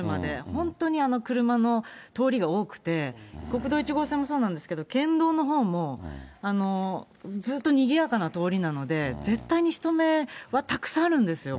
本当に車の通りが多くて、国道１号線もそうなんですけれども、県道のほうもずっとにぎやかな通りなので、絶対に人目はたくさんあるんですよ。